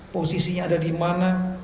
posisinya ada di mana